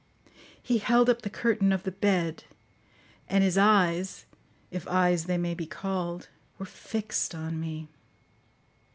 He held up the curtain of the bed; and his eyes, if eyes they may be called, were fixed on me.